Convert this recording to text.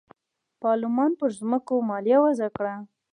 پارلمان پر ځمکو مالیه وضعه کړه.